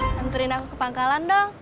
santurin aku ke pangkalan dong